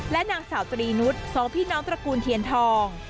นางสาวตรีนุษย์สองพี่น้องตระกูลเทียนทอง